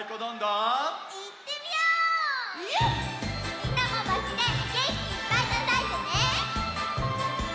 みんなもばちでげんきいっぱいたたいてね！